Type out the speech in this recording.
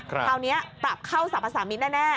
คราวนี้ปรับเข้าสรรพสามิตรแน่